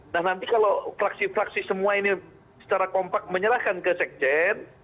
nah nanti kalau fraksi fraksi semua ini secara kompak menyerahkan ke sekjen